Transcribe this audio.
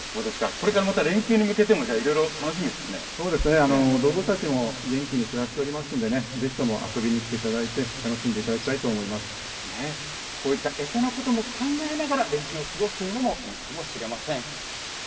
これからまた連休に向けてもいろそうですね、動物たちも元気に暮らしておりますんでね、ぜひとも遊びに来ていただいて、楽しこういった餌のことも考えながら連休を過ごすというのもいいかもしれません。